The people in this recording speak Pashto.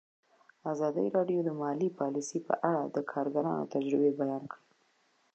ازادي راډیو د مالي پالیسي په اړه د کارګرانو تجربې بیان کړي.